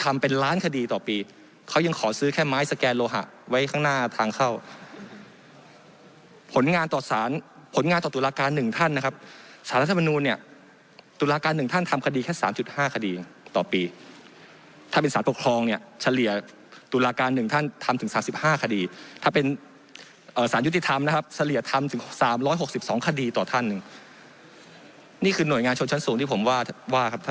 ทำเป็นล้านคดีต่อปีเขายังขอซื้อแค่ไม้สแกนโลหะไว้ข้างหน้าทางเข้าผลงานต่อสารผลงานต่อตุลาการหนึ่งท่านนะครับสารรัฐมนูลเนี่ยตุลาการหนึ่งท่านทำคดีแค่สามจุดห้าคดีต่อปีถ้าเป็นสารปกครองเนี่ยเฉลี่ยตุลาการหนึ่งท่านทำถึง๓๕คดีถ้าเป็นสารยุติธรรมนะครับเฉลี่ยทำถึง๓๖๒คดีต่อท่านหนึ่งนี่คือหน่วยงานชนชั้นสูงที่ผมว่าว่าครับท่าน